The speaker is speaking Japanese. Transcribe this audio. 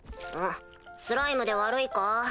むスライムで悪いか？